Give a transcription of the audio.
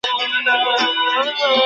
গৌরবর্ণ মুখ টস টস করছে।